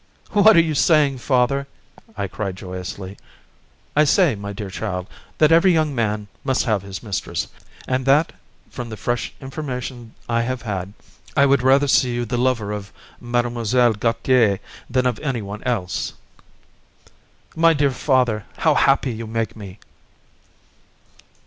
"What are you saying, father?" I cried joyously. "I say, my dear child, that every young man must have his mistress, and that, from the fresh information I have had, I would rather see you the lover of Mlle. Gautier than of anyone else." "My dear father, how happy you make me!"